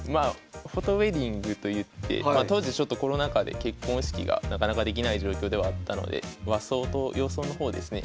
フォトウエディングといって当時ちょっとコロナ禍で結婚式がなかなかできない状況ではあったので和装と洋装の方をですね